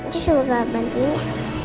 cus coba bantuin ya